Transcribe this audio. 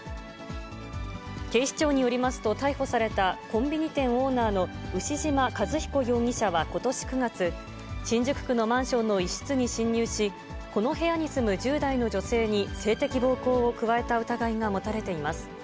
警視庁によりますと、逮捕されたコンビニ店オーナーの牛島和彦容疑者はことし９月、新宿区のマンションの一室に侵入し、この部屋に住む１０代の女性に性的暴行を加えた疑いが持たれています。